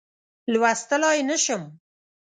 لوستلای نه شم.